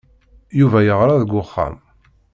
Yuba yeɣra deg uxxam.